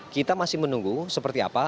kita masih menunggu seperti apa